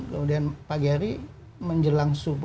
kemudian pagi hari menjelang subuh